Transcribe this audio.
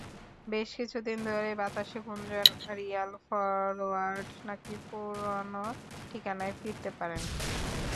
বেশ কিছুদিন ধরেই বাতাসে গুঞ্জন, রিয়াল ফরোয়ার্ড নাকি পুরোনো ঠিকানায় ফিরতে পারেন।